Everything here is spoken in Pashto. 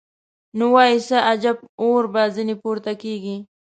نو وای څه عجب اور به ځینې پورته کېږي.